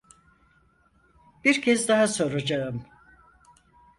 Bir kez daha soracağım.